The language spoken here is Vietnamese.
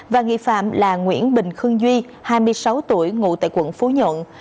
và nghi phạm là nguyễn bình khương duy hai mươi sáu tuổi ngủ tại quận phú nhộn